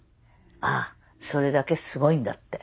ああそれだけすごいんだって。